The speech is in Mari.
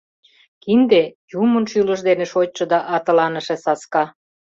Кинде — юмын шӱлыш дене шочшо да атыланыше саска.